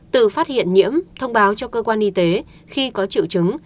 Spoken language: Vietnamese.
từ phát hiện nhiễm thông báo cho cơ quan y tế khi có triệu chứng